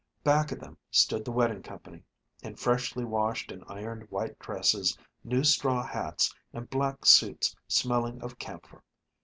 Back of them stood the wedding company, in freshly washed and ironed white dresses, new straw hats, and black suits smelling of camphor.